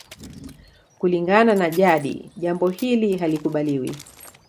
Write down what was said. Kulingana na jadi jambo hili halikubaliwi